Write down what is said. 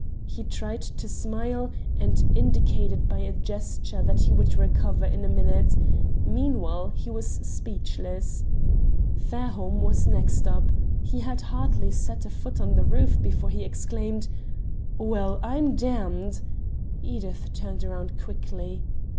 He tried to smile, and indicated by a gesture that he would recover in a minute. Meanwhile he was speechless. Fairholme was the next up. He had hardly set foot on the roof before he exclaimed "Well, I'm d d!" Edith turned round quickly.